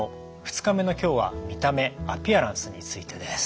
２日目の今日は見た目アピアランスについてです。